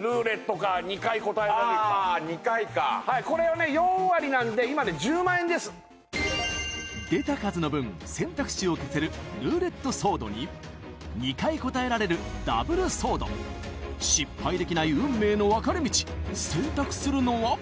ルーレットか２回答えられるかああっ２回かはいこれはね４割なんで今はね１０万円です出た数の分選択肢を消せるルーレットソードに２回答えられるダブルソード失敗できない運命の分かれ道選択するのは？